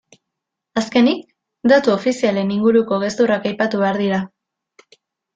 Azkenik, datu ofizialen inguruko gezurrak aipatu behar dira.